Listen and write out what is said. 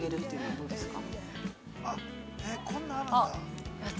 どうですか。